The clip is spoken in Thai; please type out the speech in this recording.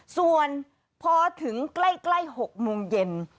ส่วนพอถึงใกล้๖โมงเย็น